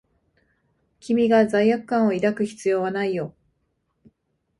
君が罪悪感を抱く必要はないよ。